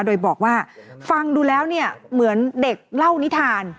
โดยบอกว่าฟังดูแล้วเนี่ยเหมือนเด็กเล่านิทาน